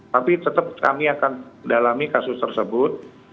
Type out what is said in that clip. tapi tetap kami akan dalami kasus tersebut